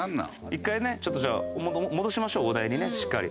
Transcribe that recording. １回ねちょっとじゃあ戻しましょうお題にねしっかり。